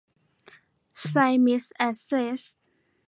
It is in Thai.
ไซมิส แอสเสท